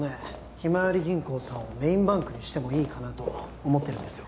ひまわり銀行さんをメインバンクにしてもいいかなと思ってるんですよ